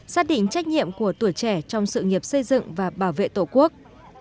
xác định trách nhiệm của tuổi trẻ trong sự nghiệp xây dựng và bảo vệ tổ quốc